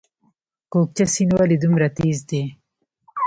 کوکچه سیند ولې دومره تیز دی؟